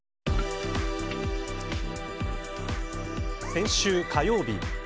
先週、火曜日